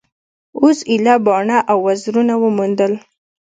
اوس ایله باڼه او وزرونه وموندل.